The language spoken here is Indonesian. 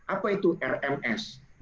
apa itu rms